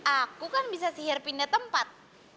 aku kan bisa sihir pindah tempat